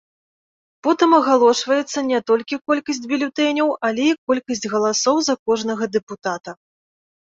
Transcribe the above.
Потым агалошваецца не толькі колькасць бюлетэняў, але і колькасць галасоў за кожнага дэпутата.